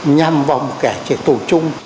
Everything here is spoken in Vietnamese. nhằm vào một kẻ chế tổ chung